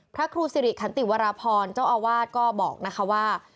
พระครูสิริขันติวรพรเจ้าอาวาสก็บอกนะคะว่า